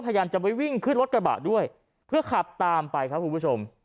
พยายามจะไปวิ่งขึ้นรถกระบะด้วยเพื่อขับตามไปครับคุณผู้ชม